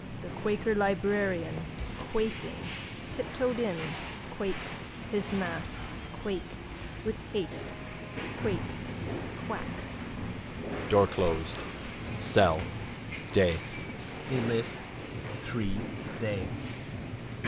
The quaker librarian, quaking, tiptoed in, quake, his mask, quake, with haste, quake, quack. Door closed. Cell. Day. They list. Three. They.